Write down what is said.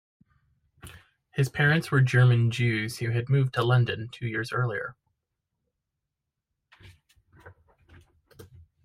His parents were German Jews who had moved to London two years earlier.